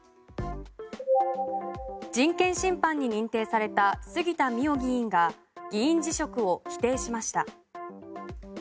人権侵犯に認定された杉田水脈議員が議員辞職を否定しました。